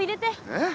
えっ？